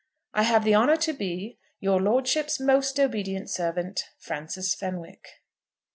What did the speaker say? I have the honour to be, Your lordship's most obedient servant, FRANCIS FENWICK.